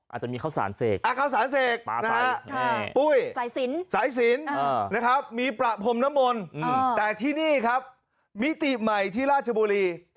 อาจจะมีข้าวสารเสกปุ้ยสายสินมีปราบผมน้ำมนแต่ที่นี่ครับมิติใหม่ที่ราชบุรี